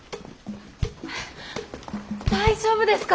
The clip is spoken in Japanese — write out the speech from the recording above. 大丈夫ですか！？